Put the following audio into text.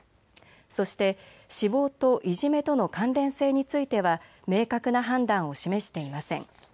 そして死亡といじめとの関連性については明確な判断を示していません。